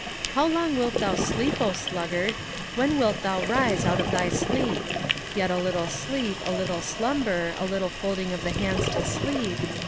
How long wilt thou sleep, O Sluggard? when wilt thou arise out of thy sleep? Yet a little sleep, a little slumber, a little folding of the hands to sleep.